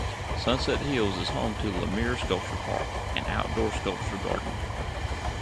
Sunset Hills is home to Laumeier Sculpture Park, an outdoor sculpture garden.